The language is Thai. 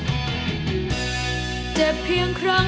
เพราะตัวฉันเพียงไม่อาทัม